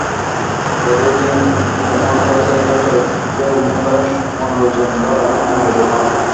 বদরুদ্দীন উমর পরিচালিত চলচ্চিত্রটিতে অভিনয় করেন মনোরঞ্জন ধর এবং এমদাদুল হক।